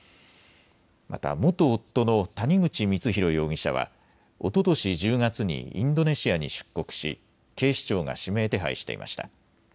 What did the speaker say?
また、元夫の谷口光弘容疑者はおととし１０月にインドネシアに出国し警視庁が指名手配していました。